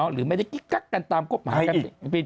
หรือไม่ได้กิ๊กั๊กกันกัน